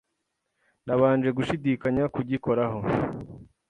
nabanje gushidikanya kugikoraho,